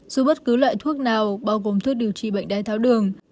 dù bất cứ loại thuốc nào bao gồm thuốc điều trị bệnh đai tháo đường